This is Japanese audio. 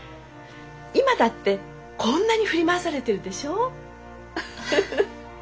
今だってこんなに振り回されてるでしょ？